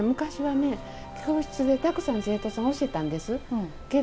昔は教室でたくさんの生徒さんを教えていたんです。